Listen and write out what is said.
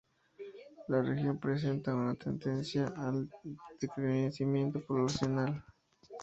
La región presenta una tendencia al decrecimiento poblacional.